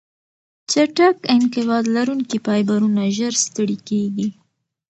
چټک انقباض لرونکي فایبرونه ژر ستړې کېږي.